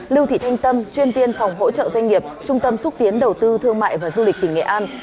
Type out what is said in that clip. lưu thị thanh tâm chuyên viên phòng hỗ trợ doanh nghiệp trung tâm xúc tiến đầu tư thương mại và du lịch tỉnh nghệ an